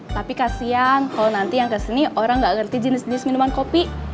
tapi kasian kalau nanti yang kesini orang nggak ngerti jenis jenis minuman kopi